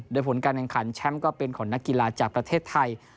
โดยผลการแข่งขันแชมป์ก็เป็นของนักกีฬาจากประเทศไทย